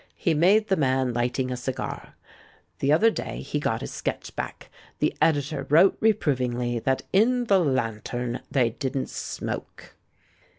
He made the man lighting a cigar. The other day he got his sketch back; the Editor wrote reprovingly that 'in The Laiitern they didn't smoke.'